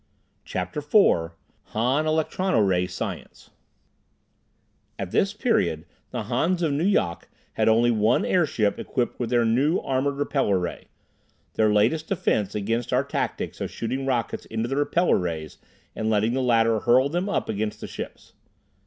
CHAPTER IV Han Electrono Ray Science At this period the Hans of Nu Yok had only one airship equipped with their new armored repeller ray, their latest defense against our tactics of shooting rockets into the repeller rays and letting the latter hurl them up against the ships.